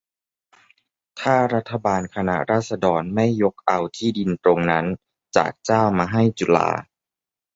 ถ้ารัฐบาลคณะราษฎรไม่ยกเอาที่ดินตรงนั้นจากเจ้ามาให้จุฬา